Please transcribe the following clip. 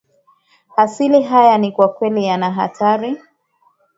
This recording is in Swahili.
hasili haya ni kwa kweli yanahatari